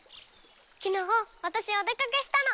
きのうわたしお出かけしたの。